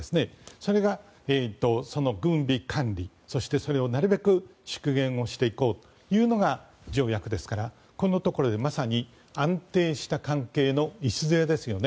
それが軍備管理、そしてそれをなるべく縮減していこうというのが条約ですからこのところでまさに安定した関係の礎ですよね。